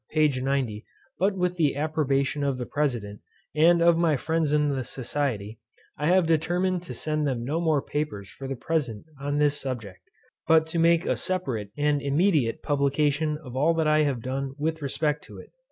p. 90, but with the approbation of the President, and of my friends in the society, I have determined to send them no more papers for the present on this subject, but to make a separate and immediate publication of all that I have done with respect to it.